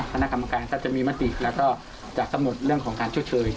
คณะกรรมการสามารถจะมีมติแล้วก็จะสมดเรื่องของการช่วยเฉย